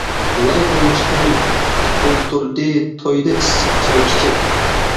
لاي قونچىقىم ئولتۇردى، تويدا ئىسسىق چاي ئىچىپ.